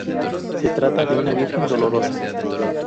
Se trata de una Virgen Dolorosa.